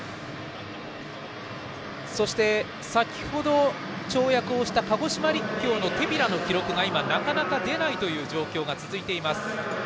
そして先程、跳躍をした鹿児島陸協の手平の記録が今、なかなか出ないという状況が続いています。